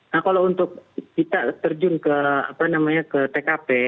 nah kalau untuk kita terjun ke apa namanya ke tkp